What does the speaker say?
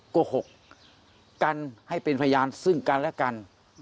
โกหกกันให้เป็นพยานซึ่งกันและกัน